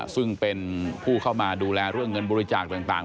ซึ่งเป็นผู้เข้ามาดูแลเรื่องเงินบริจาคต่าง